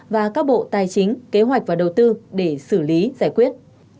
và các bộ tài chính kế hoạch và đầu tư để xử lý giải quyết